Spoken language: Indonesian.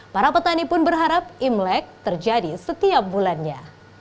para petani pun berharap imlek terjadi setiap bulannya